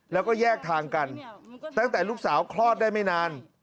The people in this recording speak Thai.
แล้วก็แยกทางกันตั้งแต่ลูกสาวคลอดได้ไม่นาน